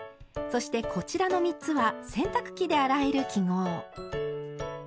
そしてこちらの３つは洗濯機で洗える記号。